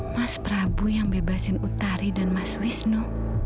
mas prabu yang bebasin utari dan mas wisnu